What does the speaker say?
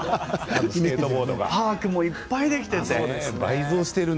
パークもいっぱいできていて。